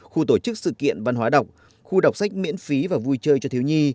khu tổ chức sự kiện văn hóa đọc khu đọc sách miễn phí và vui chơi cho thiếu nhi